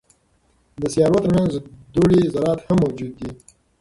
د سیارو ترمنځ دوړې ذرات هم موجود دي.